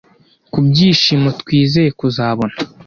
Kubyishimo twizeye kuzabona;